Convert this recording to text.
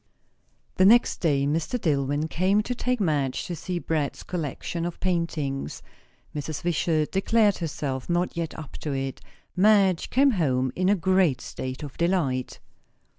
The next day Mr. Dillwyn came to take Madge to see Brett's Collection of Paintings. Mrs. Wishart declared herself not yet up to it. Madge came home in a great state of delight.